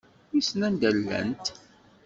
Wissen anda llant.